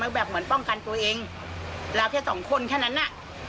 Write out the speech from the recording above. มันบาดหมางกับไอ้ลูกไอ้น้องเขื่อไอ้คนเล็กก่ะ